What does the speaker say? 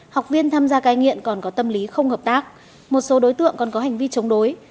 học viên tham gia cai nghiện còn có tâm lý không hợp tác một số đối tượng còn có hành vi chống đối